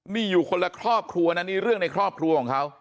นี่อยู่คนละครอบครัวนะนี่เรื่องในครอบครัวของเขา